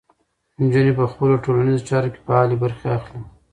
نجونې په خپلو ټولنیزو چارو کې فعالې برخې اخلي.